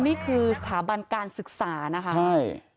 นี่คือสถาบันการศึกษานะคะใช่